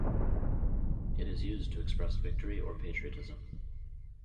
It is used to express victory or patriotism.